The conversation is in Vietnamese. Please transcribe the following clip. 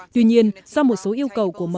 tuy nhiên do một số yêu cầu của mud